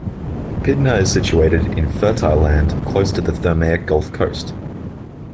Pydna is situated in fertile land close to the Thermaic Gulf coast.